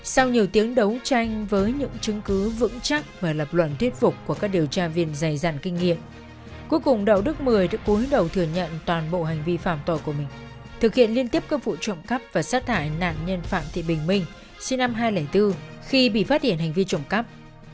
sau nhiều tiếng đấu tranh với những chứng cứ vững chắc và lập luận thuyết phục của các điều tra viên dày dặn kinh nghiệm cuối cùng đầu nước một mươi đã cuối đầu thừa nhận toàn bộ hành vi phạm tò của mình thực hiện liên tiếp các vụ trồng cắp và sát hại nạn nhân phạm thị bình minh sinh năm hai nghìn bốn khi bị phát hiện hành vi trồng cắp